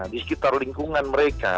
di sekitar lingkungan mereka